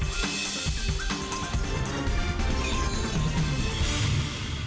kami akan segera ke malay usaha jendera tetap bersama kami